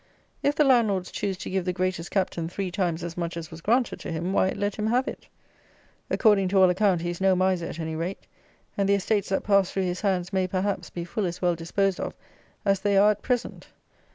If the landlords choose to give the greatest captain three times as much as was granted to him, why, let him have it. According to all account, he is no miser at any rate; and the estates that pass through his hands may, perhaps, be full as well disposed of as they are at present.